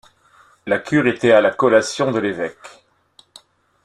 La cure était à la collation de l'évêque.